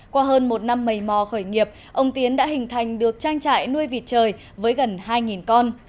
qua hơn một năm mầy mò khởi nghiệp ông tiến đã hình thành được trang trại nuôi vịt trời với gần hai con